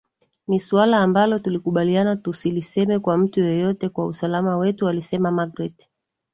ni suala ambalo tulikubaliana tusiliseme kwa mtu yeyote kwa usalama wetu alisema magreth